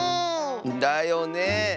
だよね。